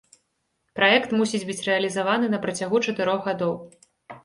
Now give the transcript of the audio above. Праект мусіць быць рэалізаваны на працягу чатырох гадоў.